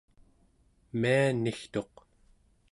mianigtuq